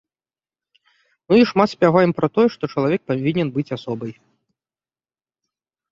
Ну і шмат спяваем пра тое, што чалавек павінен быць асобай.